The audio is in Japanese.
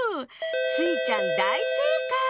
スイちゃんだいせいかい！